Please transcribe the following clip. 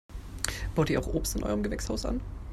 Baut ihr auch Obst in eurem Gewächshaus an?